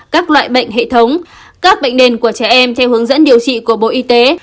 các loại bệnh hệ thống các bệnh nền của trẻ em theo hướng dẫn điều trị của bộ y tế